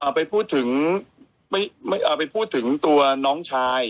ไปพูดถึงไปพูดถึงตัวน้องชาย